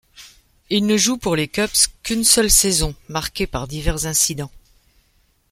Il ne joue pour les Cubs qu'une seule saison, marquée par divers incidents.